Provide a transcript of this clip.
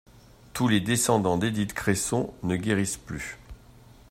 Tous les descendants d'Edith Cresson ne guérissent plus.